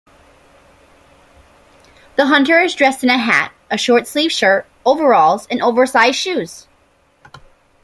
The hunter is dressed in a hat, a short-sleeved shirt, overalls and oversized shoes.